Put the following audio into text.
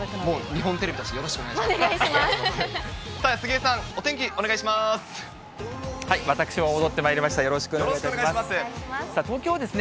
日本テレビとしてよろしくおお願いします。